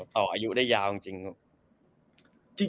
ต่ออายุได้ยาวจริง